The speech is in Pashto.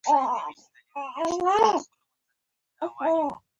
اوس ددوی دین بدل دی او که موږ لاره غلطه کړې ده.